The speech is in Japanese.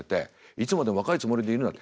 「いつまでも若いつもりでいるな」って。